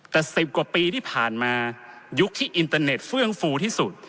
แต่๑๐กว่าปีที่ผ่านมายุคที่อินเตอร์เน็ตเฟื่องฟูที่สุด